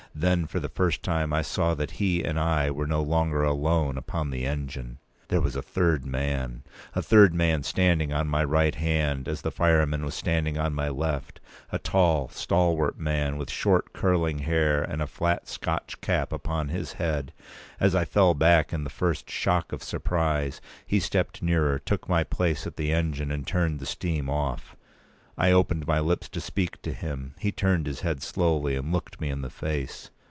then, for the first time, I saw that he and I were no longer alone upon the engine. There was a third man—a third man standing on my right hand, as the fireman was standing on my left—a tall, stalwart man, with short curling hair, and a flat Scotch cap upon his head. As I fell back in the first shock of surprise, he stepped nearer; took my place at p. 217the engine, and turned the steam off. I opened my lips to speak to him; he turned his head slowly, and looked me in the face.